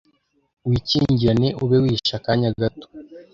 Wikingirane ube wihishe akanya gato